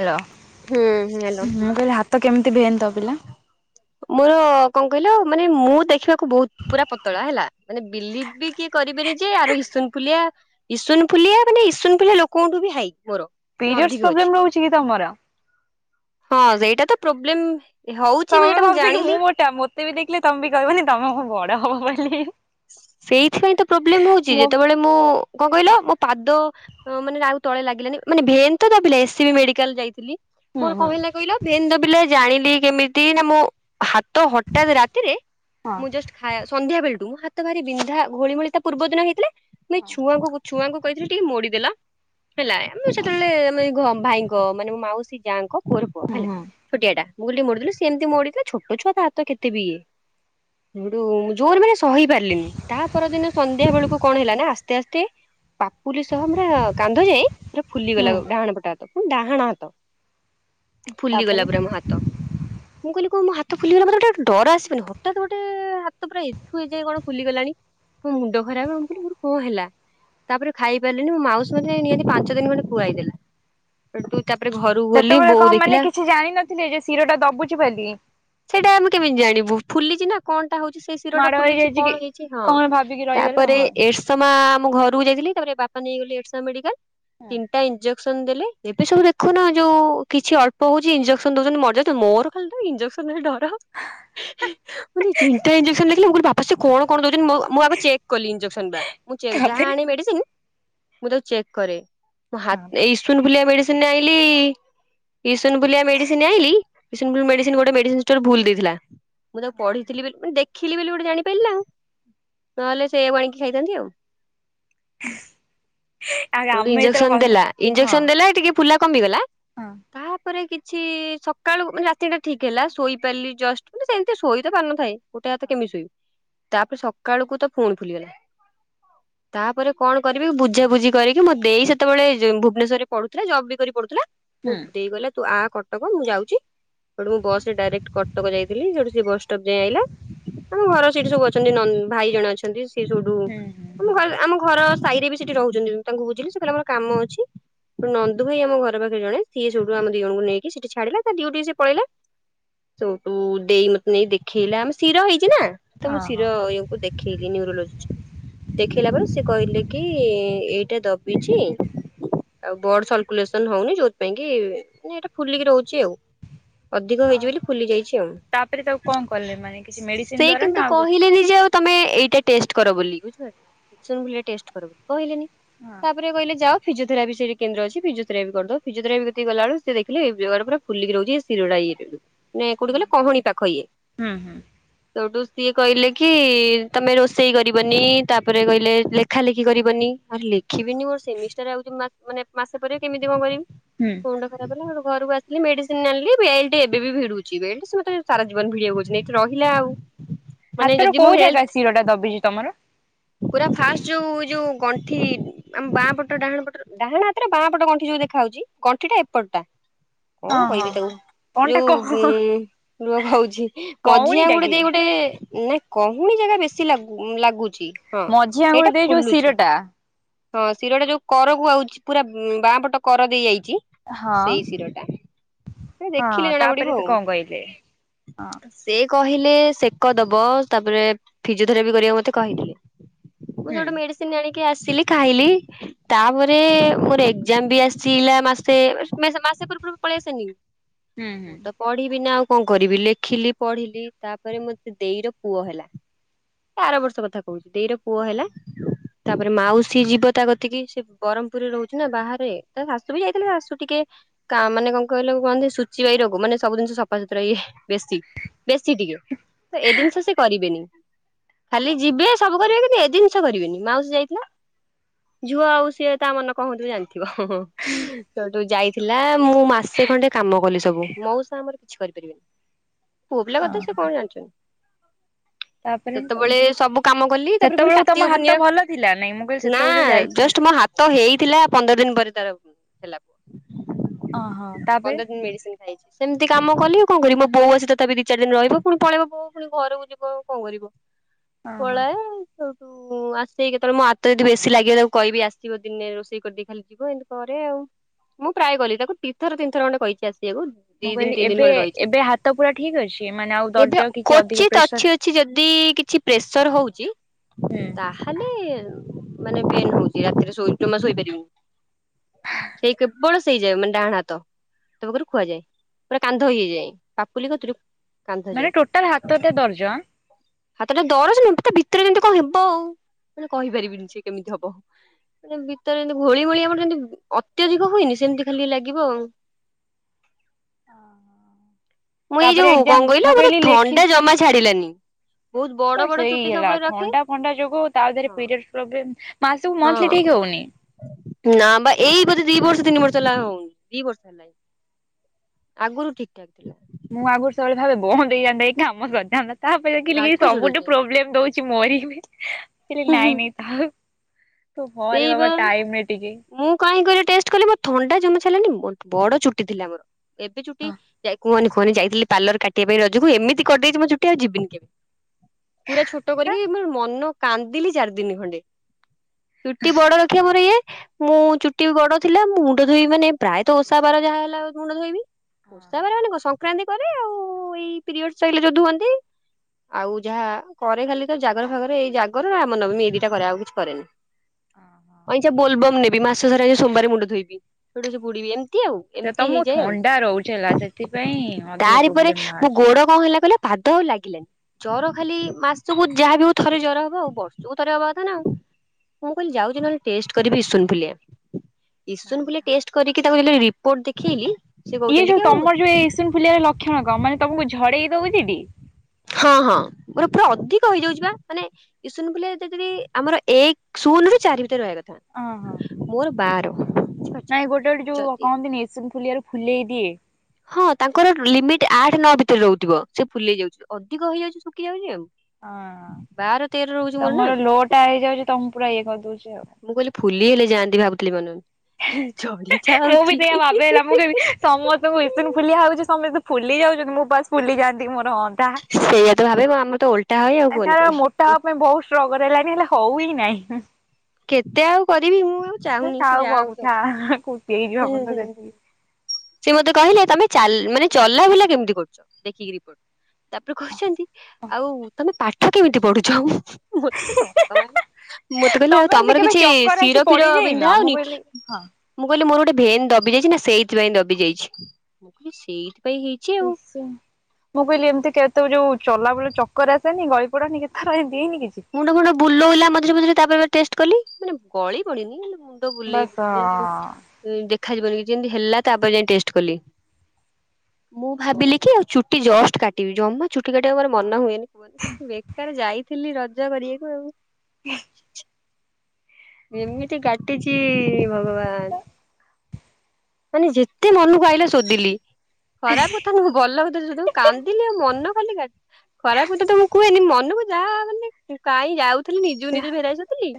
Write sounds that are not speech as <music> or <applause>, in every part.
Hello ହୁଁ hello ମୁଁ କହିଲି ହାତ କେମିତି ଭେନ ଦବିଲା? ମୋର କଣ କହିଲ ମାନେ ମୁଁ ଦେଖିବାକୁ ବହୁତ ପୁରା ପତଳା ହେଲା ମାନେ ବିଲିଭ୍ ବି କିଏ କରିବେନି ଯେ ଆର ଇସୁନ ଫୁଲିଆ ଇସୁନ ଫୁଲିଆ ମାନେ ଇସୁନ ଫୁଲିଆ ଲୋକଙ୍କଠୁ ବି ହାଇ ମୋର। ମାନେ ପିରିୟଡଶ୍ ଅଧିକ ଅଛି ପ୍ରୋବ୍ଲେମ ରହୁଛି କି ତମର? ହଁ ସେଇଟା ତ ପ୍ରୋବ୍ଲେମ୍ ତମେ ବି ଭାବୁଛ କି ମୁଁ ମୋଟା ମତେ ବି ଦେଖିଲେ ତମେ ବି କହିବନି ତମେ ମୁ ବଡ ହବ ବୋଲିି ହି ହିଁ ହିଁ। ସେଇଥିପାଇଁ ତ ପ୍ରୋବ୍ଲେମ ହଉଛି ଯେତେବେଳେ ମୁଁ କଣ କହିଲ ମୋ ପାଦ ମାନେ ଆଉ ତଳେ ଲାଗିଲାନି ମାନେ ଭେନ୍ ତ ଦବିଲା ଏସ ସି ବି ମେଡିକାଲ ଯାଇଥିଲି ହୁଁ ମୋର କଣ ହୁଁ ହେଲା କହିଲ ଭେନ ଦବିଲା ଜାଣିଲି କେମିତି ନା ମୁଁ ହାତ ହଠାତ୍ ରାତିରେ ହଁ ମୁଁ ଜଷ୍ଟ ଖା ସନ୍ଧ୍ୟା ବେଳଠୁ ହାତ ଭାରି ବିନ୍ଧା ଘୋଳିଘୋଳି ତା ପୂର୍ବ ଦିନ ହେଇଥିଲା। ମୁ ଏଇ ହଁ ଛୁଆଙ୍କୁ ଛୁଆଙ୍କୁ କହିଥିଲି ଟିକେ ମୋଡିଦେଲ ହେଲା ଆମ ହଁ ସେତେବେଳେ ଆମେ ଭାଇଙ୍କ ମାନେ ମାଉସୀ ଯାଆଙ୍କ ପୁଅର ପୁଅ ହେଲା ହୁଁ ଛୋଟିଆ ଟା। ମୁଁ କହିଲି ଟିକେ ମୋଡ଼ିଦେଲୁ ସେମିତି ମୋଡିଲା ଛୋଟ ଛୁଆ ତା ହାତ କେତେ ବି ଇଏ ହେଠୁ ଜୋରେ ମାନେ ସହୀ ପାରିଲିନି ତା ପରଦିନ ସନ୍ଧ୍ୟା ବେଳକୁ କଣ ହେଲା ନା ଆସ୍ତେ ଆସ୍ତେ ପାପୁଲି ସହ ପୁରା କାନ୍ଧ ଯାଏ ପୁରା ହୁଁ ଫୁଲିଗଲା ଡାହାଣ ପଟ ହାତ ଡାହାଣ ହାତ ଫୁଲି ତାପରେ ଗଲା ପୁରା ମୋ ହାତ। ମୁଁ କହିଲି କଣ ମୋ ହାତ ଫୁଲିବ ନା ମତେ ଗୋଟେ ଡର ଆସିବନି ହଠାତ୍ ଗୋଟେ ହାତ ପୁରା ଏଠୁ ଏଯାଏ କଣ ଫୁଲିଗଲାଣି ମୋ ମୁଣ୍ଡ ଖରାପ ଆ ମୋର କଣ ହେଲା? ତାପରେ ଖାଇ ପାରିଲିନି ମୋ ମାଉସି ମତେ ନିହାତି ପାଞ୍ଚ ଦିନ ମାନେ ଖୁଆଇ ଦେଲେ। ହେଟୁ ତାପରେ ଘରୁ ସେତେବେଳେ କଣ ମାନେ କିଛି ଜାଣିିନଥିଲେ ଯେ ଶିର ଟା ଦବୁଛି ବୋଲି ସେଇଟା ଆମେ କେମିତି ଜାଣିବୁ ଫୁଲିଛି ନା କଣଟା ହଉଛି ସେଇ ଶିରଟା ମାଡ ଫୁଲିଛି ହେଇଯାଇଛି କି କଣ ହେଇଛି ହଁ କଣ ଭାବିକି ରହିଗଲେ ତାପରେ ହଁ ଏଶ୍ ସମୟ ଆମ ଘରକୁ ଯାଇଥିଲି ତାପରେ ବାପା ନେଇଗଲେ ଉଷା ମେଡିକାଲ୍ ଟା ଇଞ୍ଜେକ୍ସନ ଦେଲେ ଏବେ ସବୁ ଦେଖୁନ ଯୋଉ କିଛି ଅଳ୍ପ ହଉଛି ଇଞ୍ଜେକ୍ସନ ଦଉଛନ୍ତି ମଯା ତ ମୋର ଖାଲଟାରେ ଇଞ୍ଜେକ୍ସନ ହିଁ ଡର ହିଁ ହିଁ ମୋତେ ତିନିଟା ଇଞ୍ଜେକେଶନ ଲେଖିଲା ମୁଁ କହିଲି ବା ସେ କଣ କଣ ଦଉଛନ୍ତି ମୁଁ ଆଗ ଚେକ୍ କଲି ଇଞ୍ଜେକେଶନ ବା ମୁ ଯାହା ତାପରେ ଆଣିବି ମେଡିସିନ ମୁଁ ତାକୁ ଚେକ୍ କରେ ମୁଁ ହାତ ହଁ। ଇସନଫୁଲିଆ ମେଡିସିନ ଆଇଁଲି ଇ ଇସୁନୁଫୁଲିଆ ମେଡିସିନ ଆଇଁଲି ଇସନଫୁଲି ମେଡିସିନ ଗୋଟେ ମେଡିସିନ ଷ୍ଟୋର ଭୁଲ ଦେଇଥିଲା। ମୁଁ ତାକୁ ପଢ଼ିଥିଲି ବୋଲି ମାନେ ଦେଖିଲି ବୋଲି ଗୋଟେ ଜାଣି ନହେଲେ ସେଇଆକୁ ଆଣିକି ଖାଇଥାନ୍ତି ଆଉ। ଆ ଯଉଠି ଆମେ ଇଞ୍ଜେସନ ଯେତେବେଳେ ହଁ ଦେଲା ଇଞ୍ଜେକ୍ସନ ଦେଲା ଟିକେ ଫୁଲା କମିଗଲା। ହଁଅଁ। ତାପରେ କିଛି ସକାଳୁା ମାନେ ରାତି ଟା ଠିକ ହେଲା ଶୋଇ ପାରିଲି ଜଷ୍ଟ ମାନେ ସେମିତି ଶୋଇ ତ ପାରୁନଥାଏ। ଗୋଟେ ହାତରେ କେମିତି ଶୋଇବୁ ତାପରେ ସକାଳକୁ ତ ପୁଣି ଫୁଲିଗଲା। <unintelligible> ତାପରେ କଣ କରିବି ବୁଝାବୁଝି କରିକି ମୋ ଦେଇ ସେତେବେଳେ ଭୁବନେଶ୍ୱର ରେ ପଢୁଥିଲା ଜବ୍ ବି କରି ପଢୁଥିଲା। ହୁଁ ମୋ ଦେଇ କହିଲା ତୁ ଆ କଟକ ମୁଁ ଯାଉଚି। ସେଠୁ ମୁଁ ବସ ରେ ଡାଇରେକ୍ଟ କଟକ ଯାଇଥିଲି ସେଠୁ ସେ ବସଷ୍ଟପ୍ ଯାଏ ଆଇଲା ମାନେ ଘର ସେଠି ସବୁ ଅଛନ୍ତି ନ ଭାଇ ଜଣେ ଅଛନ୍ତି ସେ ସବୁଠୁ ହୁଁ ହୁଁ ଆମ ହୁଁ ଘର ଆମ ଘର ସାଇରେ ବି ସେଠି ରହୁଛନ୍ତି ତାଙ୍କୁ ବୁଝିଲି ସେ କହିଲେ ଆମର କାମ ଅଛି। ନନ୍ଦୁ ଭାଇ ଆମ ଘର ପାଖେ ଜଣେ ସିଏ ସେଠୁ ଆମ ଦିଣଙ୍କୁ ନେଇିକି ସେଠି ଛାଡ଼ିଲା ତା ଦିିଉଟି କୁ ସିଏ ପଳେଇଲା। ସେଉଠୁ ଦେଇ ମତେ ନେଇ ଦେଖେଇଲା ଆମ ଶିର ହେଇଛି ନା ତ ମୁଁ ହଁ ହଁ। ଶିର କୁ ଦେଖେଇଲି ନ୍ୟୁରୋଲୋଜିଷ୍ଟ। ଦେଖେଇଲାା ପରେ ସେ କହିଲେ କି ଏଇଟା ଦବିଛି। ଆଉ ବ୍ଲଡ୍‌ ସଲକୁଲେସନ ହଉନି ଯୋଉଥିପାଇଁକି ଏଟା ଫୁଲିକି ରହୁଛି ଆଉ। ଅଧିକ ହେଇଛି ବୋଲି ହଁ। ଫୁଲି ଯାଇଚି ଆଉ। ସେ ମେଡିସିନ ଦ୍ଵାରା କିନ୍ତୁ ନା ଆଉ କିଛି। କହିଲେନି ଯେ ଆଉ ତମେ ଏଇଟା ଟେଷ୍ଟ କର ବୋଲି ବୁଝିପାରୁଛ ଇସନଫୁଲିଆଟେଷ୍ଟ କର ବୋଲି କହିଲେନି। ହଁ। ତାପରେ କହିଲେ ଯାଅ। ଫିଜିଓଥେରାପି ସେଇଠି କେନ୍ଦ୍ର ଅଛି ଫିଜିଓଥେରାପି କରିଦବ ଫିଜିଓଥେରାପି କତିକି ଗଲା ଏଳକୁ ସେ ଦେଖିଲେ ଦେହରେ ପୁରା ଫୁଲିକି ରହୁଛି ଶିରଟା ଇଏ ମାନେ କୋଉଠି କହିଲ କହୁଣୀ ପାଖ ଇଏ। ହୁଁ ହୁଁ। ସେଉଠୁ ସିଏ କହିଲେ କି ତମେ ରୋଷେଇ କରିବନି ତାପରେ କହିଲେ ଲେଖା ଲେଖି କରିବନି। ଆରେ ଲେଖିବିନି ମୋର ସେମିଷ୍ଟାର ଆଉଚି ମା ମାନେ ମାସେ ପରେ କେମିତି କଣ କରିବି, ହୁଁ। ମୁଣ୍ଡ ଖରାପ ହେଲା ଘରକୁ ଆସିଲି ମେଡିସିନ ଆଣିଲି ବେଲ୍ଟ ଏବେ ବି ଭିଡୁଛି ବେଲ୍ଟ ସେ ମତେ ସାରା ଜୀବନ ଭିଡିବାକୁ କହିଛନ୍ତି। ରହିଲା ଆଉ। ମାନେ ହାତର ଯଦି ମୋ କୋଉ ଜାଗା ହେଲ୍ଥ ଶିରଟା ଦବିଚି ତମର? ପୁରା ଫାଷ୍ଟ ଯୋଉ ଯୋଉ ଗଣ୍ଠି ଆମ ବାଁ ପଟ ଡାହାଣ ପଟର ଡାହାଣ ହାତର ବାଁ ପଟ ଗଣ୍ଠି ଯୋଉ ଦେଖା ଜାଉଚି ଗଣ୍ଠିଟା ଏପଟଟା ହଁ କଣ ହଁ। କହିବି ତମକୁ। କଣଟା ଯୋଉ କହ ଉ ରୁଆ ହଉଛି ମଝିଆ କଉଣିଟା ଗୋଟେ କି ଦେଇ ଗୋଟେ ନା କହୁଣୀ ଜାଗା ବେଶୀ ଲାଗ ଲାଗୁଚି ହଁ ମଝି ଆଙ୍ଗୁଳି ସେଇଟା ଦେଇ ଯୋଉ ଫୁଲୁଚି। ଶିରଟା? ହଁ ଶିରଟା ଯୋଉ କରକୁ ଆଉଚି ପୁରା ବାଁ ପଟ କର ଦେଇ ଯାଇଚି। ହଁ। ସେଇ ଶିରଟା ଦେଖିଲେ ହଁ ଜଣା ତାପରେ ପଡିବ ସେ ଆଉ। କଣ କହିଲେ? ହଁ। ସେ କହିଲେ ସେକ ଦବ ତାପରେ ଫିଜିଓଥେରାପି କରିବାକୁ ମତେ କହିିଥିଲେ। ମୁଁ ହୁଁ ସଉଠୁ ମେଡିସିନ ଆଣିକି ଆସିଲି ଖାଇଲି। ତାପରେ ମୋର ଏକ୍ଜାମ ବି ଆସିଲା ମାସେ ମାସେ ପୂର୍ବରୁ ପଳେଇ ଆସେନିକି। ହୁଁ ହୁଁ। ମୋଟା <inaudible> ପଢିବି ନା ଆଉ କଣ କରିବି ଲେଖିଲି ପଢିଲି ତାପରେ ମୋ ସେ ଦେଇର ପୁଅ ହେଲା। ଏ ଆର ବର୍ଷ କଥା କହୁଛି ଦେଇର ପୁଅ ହେଲା। ତାପରେ ମାଉସୀ ଯିବ ତା କତିକି ସେ ବ୍ରହ୍ପୁରରେ ରହୁଛି ନା ବାହାରେ ତା ଶାଶୁ ବି ଯାଇଥିଲା ଶାଶୁ ଟିକେ କା ମାନେ କଣ କହିଲ କୁହନ୍ତି ସୁଚିବାଇ ରୋଗ ମାନେ ସବୁ ଜିନଷ ସଫା ସୁତୁରା ଇଏ। ବେଶୀ ବେଶୀ ଟିକେ ତ ଏ ଜିନିଷ ସେ କରିବେନି ଖାଲି ଯିବେ। ସବୁ କରିବେ କିନ୍ତୁ ଏ ଜିନିଷ କରିବେନି ମାଉସି ଯାଇଥିଲା ଝୁଅ ଆଉ ସିଏ ତା ମନ କଣ ହଉଥିବ ଜାଣି ଥିବ ହଁ ହଁ ତ ତୁ ଯାଇ ଥିଲା ମୁଁ ମାସେ ଖଣ୍ଡେ କାମ କଲି ସବୁ ମୋଉସା ଆମର କିଛି କରିପାରିବେନି। ପୁଅ ପିଲା କଥା ସିଏ ଓହୋ। କଣ ଜାଣିଚନ୍ତି ତାପରେ ସେତୋବୋଳେ ସବୁ କମ କଲି ତାପେରେ ଫୁଣି ସେତେବେଳକୁ ତମ କାର୍ତ୍ତିକ ହାତ ପୁର୍ଣ୍ଣିିମା ଭଲ ଥିଲା ନାଇଁ ମୁଁ କହିଲି ସେତେବେଳେ ଯୋଉ ନାଁ ଯାଇଥିଲ? ଜଷ୍ଟ ତୁମ ହାତ ହେଇଥିଲା ପନ୍ଦର ଦିନି ପରେ ତାର ହେଲା। ଓହୋ ତାପରେ? ପନ୍ଦର ଦିନ ମେଡିସିନ୍ ଖାଇଚି ସେମିତି କାମ କଲି ଆଉ କଁ କରିବି ମୋ ବୋଉ ଆସି ତଥାବି ଦି ଚାରି ଦିନ ରହିବ ଫୁଣି ପଳେଇବ ବୋଉ। ଫୁଣି ଘରକୁ ଯିବ ଆଉ କଁ କରିବ ଓହୋ। ପଳାଏ। ହେଇଟୁ ଆସିକି କେତୋବୋଳେ ମୋ ହାତ ଯଦି ବେଶୀ ଲାଗିବ ତାକୁ କହିବି ଆସିବ ଦିନେ ରୋଷେଇ କରିଦେଇ ଖାଲି ଯିବ ଏନ୍ତି କରେ ଆଉ ମୁଁ ପ୍ରାୟ କଲି ତାକୁ ଦିଥର ତିନିଥର ଖଣ୍ଡେ କହିଚି ଆସିବାକୁ। ଦି ମୁଁ ଦିନ କହିଲି ତିନି ଦିନ ଏବେ ଖଣ୍ଡେ ରହିଛି ଏବେ ହାତ ପୁରା ଠିକ ଅଛି ମାନେ ଆଉ ଦର୍ଜ କିଛି ଅଧିକ ପ୍ରେସର। ଛି ଯଦି କିଛି ପ୍ରେସର ହୋଉଚି ହୁଁ। ତା ତାହେଲେ ମାନେ ପେନ୍ ହୋଉଚି ରାତିରେ ଶୋଇ ଜମା ଶୋଇପାରିବିନି। ସେଇ କେବଳ ସେଇ ଜାଗା ମାନେ ଡାହାଣ ହାତ। ତ ପାଖୁରୁ ଖୁଆ ଯାଏଁ ପୁରା କାନ୍ଧ ଇଏଁ ଯାଏ ପାପୁଲି କତିରୁ। କାନ୍ଧ ମାନେ ଯାଏ ଟୋଟାଲ ହାତଟା ଦର୍ଜ ଆଁ। ତଟା ଦରଜ ନୁହେଁ ଏମିତି ପୁରା ଭିତରେ ଯେମିତି କଣ ହେବ ଆଉ ମାନେ କହିପାରିବିନି ସେ କେମିତି ହବ। ମାନେ ଭିତରେ ଯେନ୍ତି ଘୋଳେଇ ମୋଳେଇ ଆମର ଯେନ୍ତି ଅତ୍ୟଧିକ ହୁଏନି ସେମିତି ଖାଲି ଲାଗିବ ଆଉ। ମୁଁ ଏଇ ତାପରେ ଯୋଉ କଁ ଏକ୍ଜାମ କହିଲ ମୁଁ ମତେ କହିଲି ଲେଖି ଥଣ୍ଡା ଜମା ଛାଡିଲାନି। ବହୁତ ବଡ ମୋର ବଡ ସେଇ ଚୁଟି ହେଲା ସବୁବେଳେ ରଖେ। ଥଣ୍ଡା ଫଣ୍ଡା ଯୋଗୁଁ ତା ଦେହରେ ହଁ ପିରିଓଡସ୍ ପ୍ରୋବ୍ଲେମ୍ ମାସକୁ ମନ୍ଥଲି ଠିକ ହଁ ହୋଉନି। ନା ବା ଏଇ ବୋଧେ ଦି ବର୍ଷ ତିନି ବର୍ଷ ହେଲା ହୋଉନି ଦି ବର୍ଷ ହେଲାଇ। ଆଗୁରୁ ଠିକଠାକ୍ ମୁଁ ଆଗୁରୁ ସବୁବେଳେ ଭାବେ ବନ୍ଦ ହେଇଯାନ୍ତାକି କାମ ସରିଯାଆନ୍ତା ତାପରେ ଦେଖିଲି କି ଇଏ ରାଗ ସବୁଠୁ ଚିଡୁଛି। ପ୍ରୋବ୍ଲେମ୍। ଦୋଉଚି ମୋରି ଯିବି କହିଲେ ହୁଁ ହୁଁ ନାଇଁ ନାଇଁ ଥାଉ। ତୁ ହରେ ସେଇବା ବାବା ଟାଇମରେ ଟିକେ। ମୁଁ କାହିଁକି କହିଲେ ଟେଷ୍ଟ କଲି ମୋର ଥଣ୍ଡା ଜମା ଛାଡ଼ିଲାନି ବ ବଡ ଚୁଟି ଥିଲା ମୋରୋ। ଏବେ ଚୁଟି ଯାଇ କୁହନି କୁହନି ଯାଇଥିଲି ପାର୍ଲର କାଟିବା ପାଇଁ ରଜୁକୁ ଏମିତି କରିଦେଇଛି ମୋ ଚୁଟି ଆଉ ଯିବିନି କେବେ। ପୁରା ଛୋଟୋ କରିକି ମୋର ମନ କାନ୍ଦିଲି ଚାରି ଦିନ ଖଣ୍ଡେ। ଚୁଟି ବଡ ରଖିବା ମୋରୋ ଇଏ ମୁଁ ଚୁଟି ବଡ ଥିଲା ମୁଁ ମୁଣ୍ଡ ଧୋଇବି ମାନେ ପ୍ରାୟତଃ ଓଷା ବାର ଯାହା ହେଲା ମୁଣ୍ଡ ଧୋଇବି। ଓଷା ବାର ମାନେ କଁ ସଂକ୍ରାନ୍ତି କରେ ଆଉ ଏଇ ପିରିଓଡସ୍ ସଇଲେ ଯୋଉ ଧୁଅନ୍ତି। ଆଉ ଯାହା କରେ ଖାଲି ତ ଜାଗର ଫାଗର ଏଇ ଜାଗର ରାମନବମୀ ଏଇ ଦିଟା କରେ ଆଉ କିଛି କରେନି। ଅହଁ। ଅଇଁଛା ବୋଲବମ୍ ନେବି ମାସ ସାରା ଏ ସୋମବାର ମୁଣ୍ଡ ଧୋଇବି ସେଇଠୁ ଆସି ବୁଡ଼ିବି ଏନ୍ ନ୍ତି ଆଉ ସେ ଏମିତି ତମକୁ ହେଇଯାଏ ଥଣ୍ଡା ରହୁଛି ହେଲା ସେଥିପାଇଁ ଆଉ ଅଧିକ ତାରିପରେ ପ୍ରୋବ୍ଲେମ ମୋ ବାହାରୁଛି। ଗୋଡ଼ୋ କଁ ହେଲା କହିଲ। ପାଦ ଆଉ ଲାଗିଲାନି। ଜର ଖାଲି ମାସୁକୁ ଯାହାବି ହୋଉ ଥରେ ଜର ହବ ଆଉ ବର୍ଷକୁ ଥରେ ହବା କଥା ନା ଆଉ। ମୁଁ କହିଲି ଯାଉଚି ନହେଲେ ଟେଷ୍ଟ କରିବି ଇସନଫୁଲିଆ ଇସନଫୁଲିଆ ଟେଷ୍ଟ କରିକି ତାକୁ <unintelligible> ରିପୋର୍ଟ ଦେଖେଇଲି। ସେ ଇଏ କହୁଛନ୍ତି ଯୋଉ କି ଆଉ ତମର ଯୋଉ ଏଇ ଏସନଫୁଲଆ ର ଲକ୍ଷଣ କଁ ମାନେ ତମକୁ ଝଡେଇ ଦୋଉଚି ଟି। ହଁ ହଁ ମୋରୋ ପୁରା ଅଧିକ ହେଇଯାଉଚି ପା ମାନେ ଇସନଫୁଲିଆ ଯେ ଯଦି ଆମର ଏକ ସୁନରୁ ଚାରି ଭିତରେ ରହିବା କଥା। ଅହଁ। ମୋରୋ ବାର। ନାଇଁ ଗୋଟେ ଗୋଟେ ଯୋଉ ଯଦି କହନ୍ତିନି ଏସନଫୁଲିଆରୁ ଫୁଲେଇ ଦିଏ। ହଁ ତାଙ୍କର ଲିମିଟ୍ ଆଠ ନଅ ଭିତରେ ରୋହୁଥୁବ ସେ ଫୁଲେଇ ଯାଉଛି ଅଧିକ ହେଇଯାଉଛି ଶୁଖି ଯାଉଚି ଆଉ। ବାର ତେର ରହୁଛି ହଁ ମୋର ନା ତମର ଲୋ ଟା ହେଇଯାଉଚି ତମ ପୁରା ଇଏ କରିଦୋଉଚି ଆଉ। ମୁଁ କହିଲି ଫୁଲି ହେଲେ ଯାଆନ୍ତି ଭାବୁଥିଲି ମନେ ମନେ ହିଁ ଝଡି ମୁଁ ବି ଯାଉଚି ସେଇଆ ଭାବେ ହେଲା ମୁଁ କହିବି <unintelligible> ସମସ୍ତଙ୍କୁ ଇସନଫୁଲିଆ ହୋଉଚି ସମସ୍ତେ ଫୁଲି ଯାଉଚନ୍ତି ମୁ ବାସ୍ ଫୁଲି ଯାଆନ୍ତି କି ମୋର ହନ୍ତା। ସେଇଆ ତ ଭାବିବ ଆମର ତ ଓଲ ଏ ଛାଡ଼ ମୋଟା ହବା ପାଇଁ ବହୁତ ଷ୍ଟ୍ରଗଲ ହେଲାଣିି ହେଲେ ହଉ ହି ନାଇଁ ହୁଁ। କେତେ ଆଉ କରିବି ମୁଁ ଆଉ ସେ ଚାହୁଁନି ସେ ଥାଉ ଯାହା ହଉଛି ହଉ। ବଗୁଠା ଖୁସି ହେଇଯିବ ଅବଶ୍ୟ ଦେଖିକି ସେ ମତେ କହିଲେ ତମେ ଚାଲ ମାନେ ଚଲା ବୁଲା କେମିତି କରୁଛ? ଦେଖିକି ରିପୋର୍ଟ ତାପରେ କହୁଛନ୍ତି ଆଉ ତମେ ପାଠ କେମିତି ପଢୁଛ? ମୋତେ ଖାଲି ହସ ମାଇଲା ମତେ କହିଲେ ଆଉ ତମେ ଏମିତି ତମର କେବେ କିଛି ଚକର ଆସି ଶିର ଫିର ପଡିଯାଇନ ବିନ୍ଧା ମୁଁ ହଉନି? କହିଲି ହଁ। ମୁଁ କହିଲି ମୋର ଗୋଟେ ଭେନ୍ ଦବି ଯାଇଛି ନା ସେଇଥିପାଇଁ ଦବି ଯାଇଛି ମୁଁ କହିଲି ସେଇଥିପାଇଁ ହେଇଛି ଇ ଆଉ। ଶ ମୁଁ କହିଲି ଏମିତି କେତ ଯୋଉ ଚଲା ବୁଲା ଚକର ଆସେନି ଗଳି ପଡନି କେତେଥର ଏମିତି ହେଇନି କିଛି? ମୁଣ୍ଡ ଫୁଣ୍ଡ ବୁଲୋଇଲା ମଝିରେ ମଝିରେ ତାପରେ ପରେ ଟେଷ୍ଟ କଲି ମାନେ ଗଳି ପଡ଼ିନି ହେଲେ ମୁ ମୁଣ୍ଡ ବୁଲେଇ ବାସ ପକେଇବ ଏମିତି ଏ ଦେଖାଯିବନି କିଛି ଯେମିତି ହେଲା ତାପରେ ଯାଇ ଟେଷ୍ଟ କଲି। ମୁଁ ଭାବିଲି କି ଆଉ ଚୁଟି ଜଷ୍ଟ କାଟିବି ଜମା ଚୁଟି କାଟିବାକୁ ମୋର ମନ ହୁଏନି କୁହନି ବେକାର ଯାଇଥିଲି ରଜ କରିବାକୁ ଆଉ। ଏମିତି କାଟିଛି ଭଗବାନ। ମାନେ ଯେତେ ମନକୁ ଆଇଲା ଶୋଧିଲି ଖରାପ କଥା ନୁହଁ ଭଲ କଥାରେ ଶୋଧ କାନ୍ଦିଲି ଆଉ ମନା କଲି କା ଖରାପ କଥା ତ ମୁଁ କୁହେନି ମନକୁ ଯାହା ମାନେ କାଇଁ ଯାଉ ନିଜକୁ ନିଜେ ଭେରାଏ ଶୋଧିଲି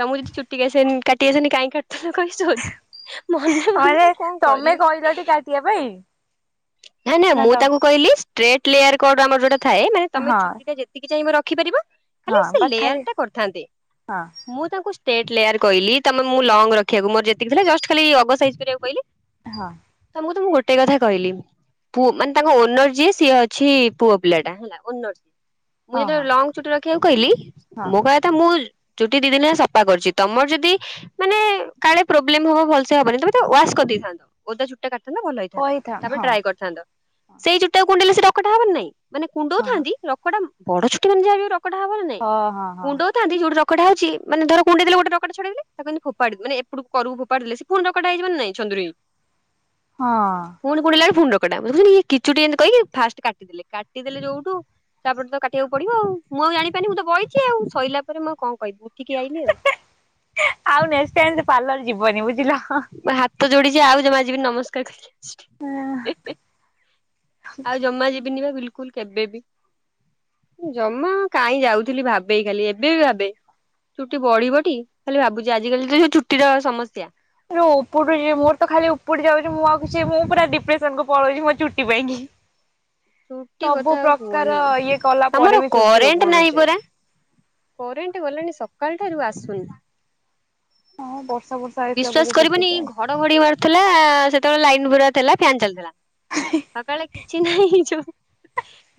ତମକୁ ଯଦି ଚୁଟି ଆସେନ କାଟି ଆସେନି କାହିଁକି କା ତାକୁ ଖାଲି ସୋଧେ ମନେ ମାନେ ମନେ କଣ ତମେ କରିବି। କହିଲଟି କାଟିବା ପାଇଁ ନା ନା ମୁଁ ତାକୁ କହିଲି ଷ୍ଟ୍ରେଟ ଲେୟାର କଟ ଆମର ଯୋଉଟା ଥାଏ ମାନେ ତମେ ହଁ ଚୁଟି ଟା ଯେତିକି ଚାହିଁବ ରଖିପାରିବ। ହଁ ଖାଲି ସେ ବା ଲେୟାର ଖାଲି ଟା କରିଥାନ୍ତେ। ହଁ। ମୁଁ ତାଙ୍କୁ ଷ୍ଟେଟ ଲେୟାର କହିଲି ତାମ ମୁଁ ଲଙ୍ଗ ରଖିବାକୁ ମୋର ଯେତିକି ଥିଲା ଜଷ୍ଟ ଖାଲି ଅଗ ସାଇଜ କରିବାକୁ କହିଲି। ହଁ। ତମକୁ ତ ମୁଁ ଗୋଟେ କଥା କହିଲି। ପୁଅ ମାନେ ତାଙ୍କ ଓନର ଯିଏ ସିଏ ଅଛି ପୁଅ ପିଲାଟା ହେଲା ଓନର ସିଏ ମୁଁ ହଁ ଯେତେବେଳେ ହଁ ଲଙ୍ଗ ଛୁଟି ରଖିବାକୁ କହିଲି ହଁ ମୋ କହିବା କଥା ମୁଁ ଚୁଟି ଦି ଦିନରେ ସ ପା କରିଛି ତମର ଯଦି ମାନେ କାଳେ ପ୍ରୋବ୍ଲେମ ହବ ଭଲସେ ହବନି ତମେ ତ୍ ୱାସ କରିଦେଇଥାନ୍ତ। ଓଦା ଚୁଟି ଟା କାଟଥାନ୍ତ ନା ଭଲ ହେଇଥାନ୍ତା। କହିଥା ତାପରେ ହଁ ଡ୍ରାଏ କରିଥାନ୍ତ ସେଇ ଚୁଟି ଟାକୁ କୁଣ୍ଡେଇଲେ ସେ ରକଟା ହବ ନା ନାଇଁ? ମାନେ ହଁ କୁଣ୍ଡଉଥାନ୍ତି ରକଟା ବଡ ଚୁଟି ମାନେ ଯାହା ବି ହଉ ରକଟା ହବନା ନାଇଁ ହଁ ହଁ ହଁ କୁଣ୍ଡଉ ଥାନ୍ତି ଯୋଉଠି ରକଟା ହଉଚି ମାନେ ଧର କୁଣ୍ଡେଇଦେଲେ ଗୋଟେ ରକଟା ଛଡେଇ ଦେଲେ ତାକୁ ଏମିତି ଫୋପାଡି ମାନେ ଏପଟ କୁ କରକୁ ଫୋପାଡି ଦେଲେ ସେ ପୁଣି ରକଟା ହେଇଯିବ ନା ନାଇ ଛନ୍ଦୁରି ହେଇ ହଁ। ପୁଣି କୁଣ୍ଡେଇଲାକୁ ଫୁଣ ରକଟା ମତେ କହୁଛନ୍ତି ଇଏ କି ଚୁଟି ଏମିତି କହିକି ଫାର୍ଷ୍ଟ କାଟିଦେଲେ କାଟି ଦେଲେ ଯୋଉଠୁ। ତାପରେ ତ କାଟିବାକୁ ପଡିବ ଆଉ ମୁଁ ଆଉ ଜାଣିପାରିନି ମୁଁ ତ ବଇଛି ଆଉ ସଇଲା ପରେ ମୁଁ ଆଉ କଣ କହିବି ଉଠିକି ଆଇଲି ଆଉ। ଆଉ ନେଷ୍ଟ ଟାଇମ ସେ ପାର୍ଲର ଯିବନି ବୁଝିଲ। ମୁଁ ହାତ ଯୋଡିଛି ଆଉ ଜମା ଯିବିନି ନମସ୍କାର କହିକି ଆଇଛି ହି ହି। ଆଉ ଜମା ଯିବିନି ବା ବିଲକୁଲ କେବେ ବି। ଜମା କାହିଁ ଯାଉଥିଲି ଭାବେ ଖାଲି ଏବେ ବି ଭାବେ। ଚୁଟି ବଢିବ ଟି ଖାଲି ଭାବୁଛି ଆଜିିକାଲି ତ ଯୋଉ ଚୁଟିର ସମସ୍ୟା। ର ଉପୁଡୁଚି ଯେ ମୋର ତ ଖାଲି ଉପୁଡି ଯାଉଛି ମୁଁ ଆଉ କିଛି ମୁଁ ପୁରା ଡିପ୍ରେସନ କୁ ପଳଉଛି ମୋ ଚୁଟି ପାଇଁକି ଁ ଚୁଟି କଥା ଆଉ କୁହନି ଇଏ କଲା ପରେ ଆମର ବି ଚୁଟି କରେଣ୍ଟ ନାହିଁ ଉପୁଡୁଛି। ପରା। କରେଣ୍ଟ ଗଲାଣି ସକାଳଠାରୁ ଆସୁନି। ହଁ ବର୍ଷା ବର୍ଷା ହେଇଥିଲା ବୋଧେ ସେଥିପାଇଁ। ଘଡ଼ଘଡି ମାରୁଥିଲା ସେତେବେଳେ ଲାଇନ ପୁରା ଥିଲା ଫ୍ୟାନ ଚାଲିଥିଲା ସକାଳେ କି କିଛି ନାହିଁ ଇ ଯୋ।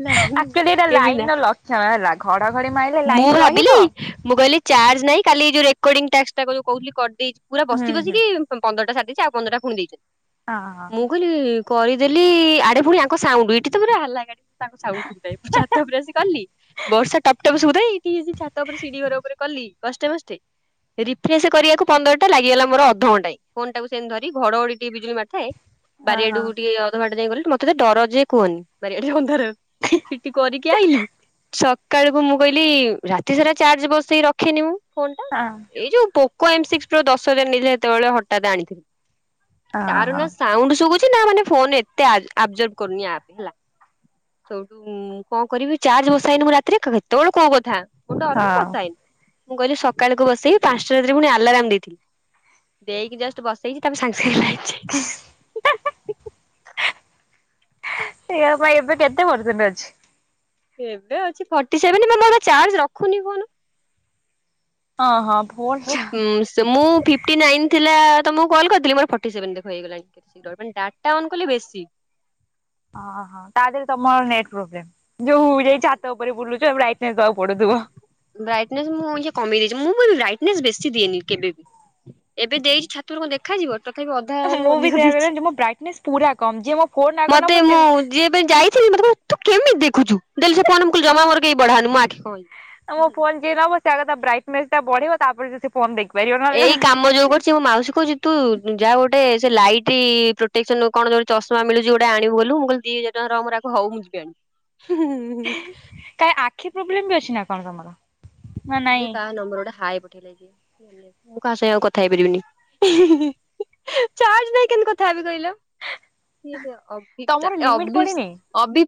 ଲାଇନି ଆକ୍ଚୁଆଲି ଏଇଟା ଟିକେ ବି ଲାଇନ୍ ନା ର ଲକ୍ଷଣ ହେଲା ଘଡଘଡି ମାଇଲେ ମୁଁ ଲାଇନ୍ ଭାବିଲି ରହିବ ମୁଁ କହିଲି ଚାର୍ଜ ନାଇଁ କାଲି ଏ ଯୋଉ ରେକୋଡ଼ିଙ୍ଗ ଟ୍ୟାକ୍ସଟା କରିବ କହୁଥିଲି କରିଦେଇଛି ପୁରା ହୁଁ ବସି ହୁଁ। ବସିକି ପନ୍ଦରଟା ସାରି ଦେଇଛି ଆଉ ପନ୍ଦଟା ଫୁଣି ଦେଇଛ ହଁ ହଁ। ମୁଁ କହିଲି କରିଦେଲି ଆଡେ ପୁଣି ଆଙ୍କ ସାଉଣ୍ଡୁ ଏଠି ତ ପୁରା ହାଲା ଏକା ତାଙ୍କ ସାଉଣ୍ଡ ଶୁଭୁଥାଏ, ମୁ ଛାତ ଉପରେ ଆସି କଲି ବର୍ଷା ଟ ଏଇଠିଇ ଛାତ ଉପରେ ସିଢି ଘର ଉପରେ କଲି କଷ୍ଟେ ବଷ୍ଟେ ରିଫ୍ରସ କରିବାକୁ ପନ୍ଦରା ଲାଗିଗଲା ମୋର ଅଧଘଣ୍ଟାଏ, ଫୋନ ଟାକୁ ସେମ ଧରି ଘଡଡି ଟିକେ ବିଜୁଳି ମାରୁ ଥାଏ ଓହୋ ବାରିଆଡୁକୁ ଟିକେ ଯାଇ ଗଲି ମତେ ଡର ଯେଏ କୁହନି ବାରିଆଡ ଅନ୍ଧାର ଛିଟି କରିକି ଆଇ ସକାଳକୁ ମୁଁ କହିଲି, ରାତି ସାରା ଚାର୍ଜ ବସେଇକି ରଖେନି ମୁଁ ଫୋନ ଟା ହଁ ଅଁ ଏଇ ଯୋଉ ପୋକ ଏମ ସିକ୍ସ ପ୍ରୋ ଦଶ ହଜାର ନେଇଥିଲେ ସେତେବେଳେ ହଠାତ ଆଣିଥିଲି। ତାର ଓହୋ ନା ସାଉଣ୍ଡ ସୁଵୁଛି ନା ମାନେ ଫୋନ ଏତେ ଆଉ ଆବଜର୍ କରୁନି ଆ ହେଲା। ସେଠୁ କଣ କରିବି ଚାର୍ଜ ବସେଇନି ମୁଁ ରାତିରେ, କେତେବେଳେ କୋଉ କଥା ମୁଁ ଡରୁନୁ ହଉ। ବସାଇନି, ମୁଁ କହିଲି ସକାଳକୁ ବସେଇଵି ପାଞ୍ଚଟାତିରେ ପୁଣି ଆଲାରାମ ଦେଇଥିଲି। ଦେଇକି ଜଷ୍ଟ ବସେଇଛି, ତାପରେ ସାଙ୍ଗେ ସାଙ୍ଗେ ଲାଇନ୍ ଯାଇଛି। <unintelligible> ସେଇଆପା ଏବେ ଦବ <unintelligible> ଅଛି‌ ଏବେ ଅଛି ଫୋଟିସେଭେନ ବା ଚାର୍ଜ ରଖୁନି ଫୋନ। ହଁ ହଁ ମୁଁ ଭୋଲଟା ସେ ମୁଁ ଫି ଫୋଟିନାଇନ ଥିଲା ତମକୁ କଲ୍ କରିଥିଲି ମୋର ଫୋଟିସେଭନ ଦେଖ ହେଇଗଲାଣି ଡାଟା ଅନ କଲେ ବେଶୀ। ଓହୋ ତା ଦେହରେ ତମର ନେଟ୍ ପୋବ୍ଲେମ। ଯୋଉ ଯାଇ ଛାତ ଉପରେ ବୁଲୁ ତ ଲାଇସେନସ ଦବାକୁ ପଡୁଥିବ। ବ୍ରାଇଟନେସ ମୁଁ କମେଇ ଦେଇଛି, ମୁଁ ବି ବ୍ରାଇଟନେସ୍ ବେଶୀ ଦିଏନି କେବେବି ଏବେ ଦେଇଛି ଛାତର କଣ ଦେଖାଯିବ? ତଥାପି ଅଧା ରୁ ମୁଁ ବି ଅଧିକ ସେଇଆ ଦେଇଛି କହିଲି ମୋ ବ୍ରାଇଟନେସ୍ ପୁରା କମ୍ ଯିଏ ମୋ ଫୋନ୍ ଆଗ ନବ ମତେ ସେ ମୁଁ ଯିଏ ଯାଇଥିଲି, ତୁ କେମିତି ଦେଖୁଛୁ? ଦେଲୁ ସେ ଫୋନ ଜମା ମୋର କେ ବଢାଅନି ମୋର ଆଖି କଣ ହେଇଯିବ। ତମ ଫୋନ ଯିଏ ନବ, ସେ ଆଗ ବ୍ରାଇଟନେସ ଟା ବଢେଇବ ତାପରେ ସେ ଫୋନ ଦେଖପାରିବ। ଏଇ କାମ ଯୋଉ କରୁଛି ମୋ ମାଉସୀ କହୁଛି ତୁ ଯା ଗୋଟେ ସେ ଲାଇଟ ପ୍ରୋଟେକ୍ସନ କଣ ଯୋଉ ଚଶମା ମିଳୁଛି ଗୋଟେ ଆଣିବୁ ଗଲୁ, ମୁଁ କହିଲି ଦି ହଜାର ଟଙ୍କା ରହ ମୋର ହଉ ମୁଁ ହୁଁ ଉଁ କାଇଁ ଆଖି ପ୍ରୋବ୍ଲେମ ବି ଅଛି ନା କଣ ତମର? ନା ନାଇଁ ଏଇ କାହା ନମ୍ବର ଗୋଟେ ହାଏ ପଠେଇଲେ ମୁଁ କାହା ସାଙ୍ଗରେ ଆଉ କଥା ହେଇପାରିବିନି। ଚାର୍ଜ ନାହିଁ କେମିତି କଥା ହେବି କହିଲ ତମର ଅଭିତା ଏ ଲିମିଟ୍ ଅଭି ପଡିନି? ଅବି-